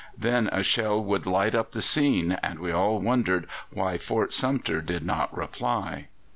Then a shell would light up the scene, and we all wondered why Fort Sumter did not reply."